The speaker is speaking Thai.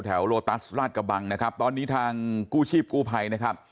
โลตัสลาดกระบังนะครับตอนนี้ทางกู้ชีพกู้ภัยนะครับ